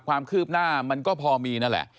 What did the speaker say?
ความคืบหน้ามันก็พอมีนั่นแหละ